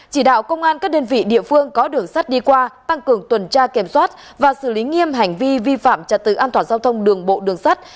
chỉ đạo công an các đơn vị địa phương có đường sắt đi qua tăng cường tuần tra kiểm soát và xử lý nghiêm hành vi vi phạm trật tự an toàn giao thông đường bộ đường sắt